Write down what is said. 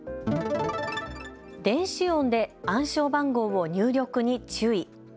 電子音で暗証番号を入力に注意。